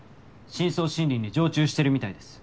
深層心理に常駐してるみたいです。